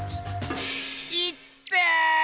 いってぇ！